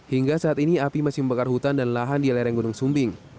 hingga saat ini api masih membakar hutan dan lahan di lereng gunung sumbing